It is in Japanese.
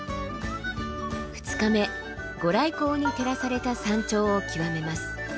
２日目御来光に照らされた山頂を極めます。